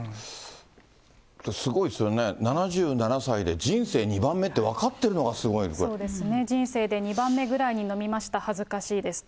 すごいですよね、７７歳で人生２番目って、分かってるのがすそうですね、人生で２番目ぐらいに飲みました、恥ずかしいですと。